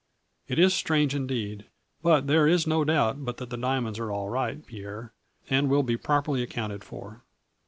It is strange indeed, but there is no doubt but that the diamonds are all right, Pierre, and will be properly accounted for.